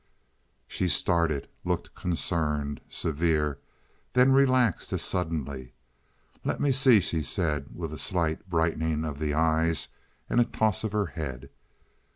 She started, looked concerned, severe, then relaxed as suddenly. "Let me see," she said, with a slight brightening of the eyes and a toss of her head.